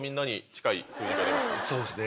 そうですね